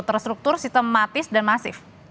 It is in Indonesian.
terstruktur sistematis dan masif